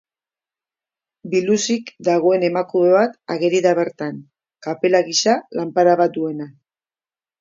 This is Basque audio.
Biluzik dagoen emakume bat ageri da bertan, kapela gisa lanpara bat duena.